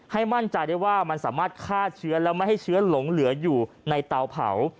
มั่นใจได้ว่ามันสามารถฆ่าเชื้อแล้วไม่ให้เชื้อหลงเหลืออยู่ในเตาเผา